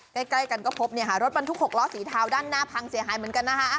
ใกล้กันก็พบรถบรรทุก๖ล้อสีเทาด้านหน้าพังเสียหายเหมือนกันนะคะ